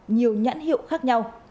nhiều nhãn hiệu khác nhau